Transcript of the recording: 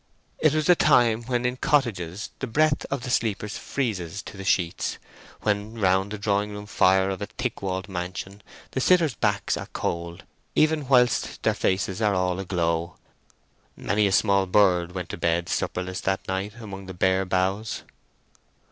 It was a time when in cottages the breath of the sleepers freezes to the sheets; when round the drawing room fire of a thick walled mansion the sitters' backs are cold, even whilst their faces are all aglow. Many a small bird went to bed supperless that night among the bare boughs.